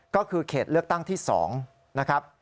ก็คือเขตเลือกตั้งที่๒นะครับ